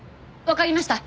わかりました。